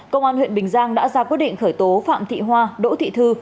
công an huyện bình giang đã ra quyết định khởi tố phạm thị hoa đỗ thị thư